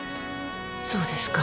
そうですか。